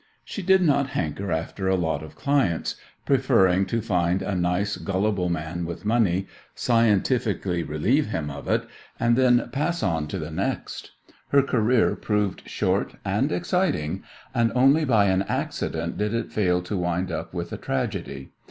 She did not hanker after a lot of clients, preferring to find a nice, gullible man with money, scientifically relieve him of it, and then pass on to the next. Her career proved short and exciting, and only by an accident did it fail to wind up with a tragedy.